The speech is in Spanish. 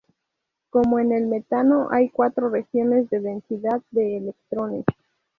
Como en el metano, hay cuatro regiones de densidad de electrones.